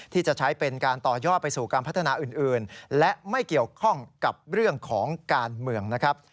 ที่จะใช้เป็นการต่อยอดไปสู่การพัฒนาอื่นและไม่เกี่ยวข้องกับเรื่องของการเมืองนะครับ